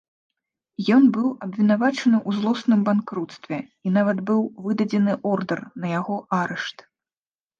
Ён быў абвінавачаны ў злосным банкруцтве і нават быў выдадзены ордар на яго арышт.